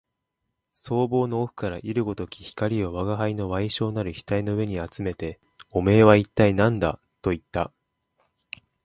双眸の奥から射るごとき光を吾輩の矮小なる額の上にあつめて、おめえは一体何だと言った